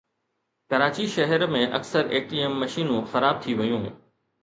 ڪراچي شهر ۾ اڪثر A T M مشينون خراب ٿي ويون